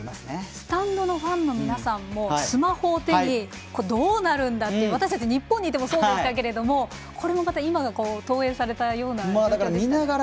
スタンドのファンの皆さんもスマホを手にどうなるんだ？って私たち、日本にいてもそうでしたけども今が投影されたような形ですね。